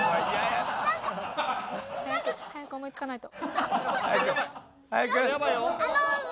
早く思い付かないと。